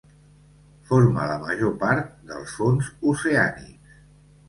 Forma la major part dels fons oceànics.